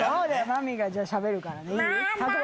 マミィがしゃべるからね。